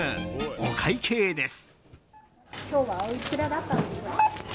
お会計です。